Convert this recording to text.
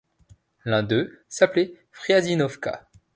L'un d'eux s'appelait Friazinovka.